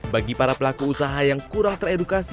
bagi para pelaku usaha yang kurang teredukasi